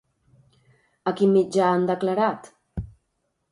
A quin mitjà han declarat?